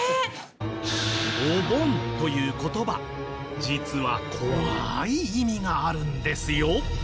「お盆」という言葉実は怖い意味があるんですよ。